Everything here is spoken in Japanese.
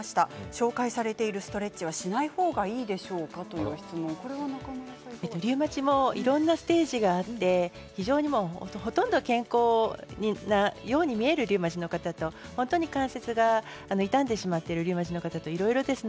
紹介されてるストレッチはリウマチもいろんなステージがあって非常にほとんど健康のように見えるリウマチの方と、本当に関節が痛んでしまっているリウマチの方といろいろです。